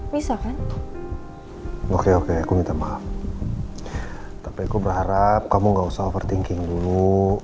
bisa kan oke oke aku minta maaf tapi aku berharap kamu nggak usah overthinking dulu